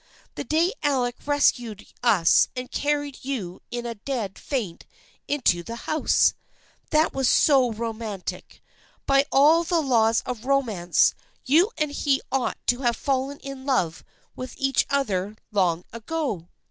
The day Alec rescued us and carried you in a dead faint into the house ? That was so romantic. By all the laws of romance you and he ought to have fallen in love with each other long ago."